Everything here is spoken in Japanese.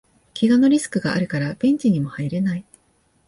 けがのリスクがあるからベンチにも入れない